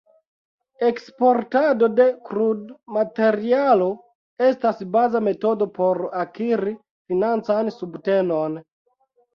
Eksportado de krudmaterialo estas baza metodo por akiri financan subtenon.